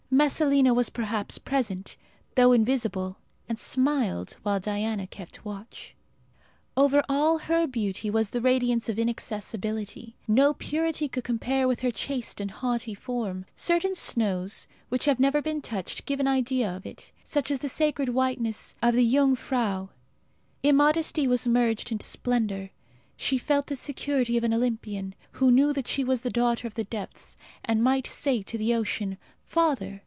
Messalina was perhaps present, though invisible, and smiled, while Diana kept watch. Over all her beauty was the radiance of inaccessibility. No purity could compare with her chaste and haughty form. Certain snows, which have never been touched, give an idea of it such as the sacred whiteness of the Jungfrau. Immodesty was merged in splendour. She felt the security of an Olympian, who knew that she was daughter of the depths, and might say to the ocean, "Father!"